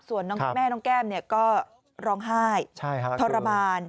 ส่วนคุณแม่น้องแก้มก็ร้องไห้ทรมาน